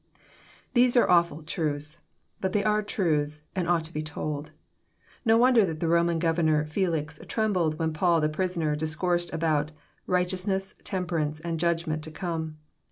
These are awful truths ! But they are truths, and ought to be told. No wonder that the Roman governor Felix trembled when Paul the prisoner discoursed about ^' right eousness, temperance, and judgment to come."